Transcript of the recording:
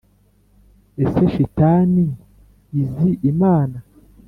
ese shitani izi imana?